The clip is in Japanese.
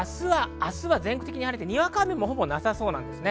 明日は全国的に晴れて、にわか雨もほぼなさそうです。